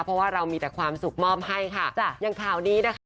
เพราะว่าเรามีแต่ความสุขมอบให้ค่ะจ้ะอย่างข่าวนี้นะคะ